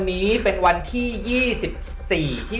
นี้เป็นวันที่๒๔ที่